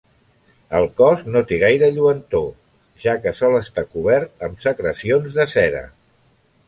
El cos no té gaire lluentor, ja que sol estar cobert amb secrecions de cera.